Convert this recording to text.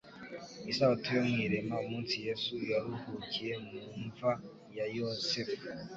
isabato yo mu irema, umunsi Yesu yaruhukiye mu mva ya Yosefu,